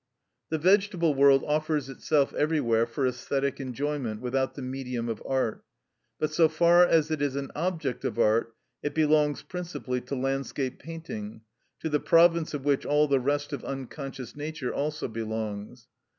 The vegetable world offers itself everywhere for æsthetic enjoyment without the medium of art; but so far as it is an object of art, it belongs principally to landscape painting; to the province of which all the rest of unconscious nature also belongs.